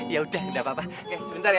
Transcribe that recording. ya udah enggak papa sebentar ya